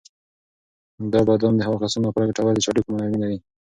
دا بادام د هغو کسانو لپاره ګټور دي چې د هډوکو نرمي لري.